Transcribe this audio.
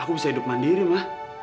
aku bisa hidup mandiri mah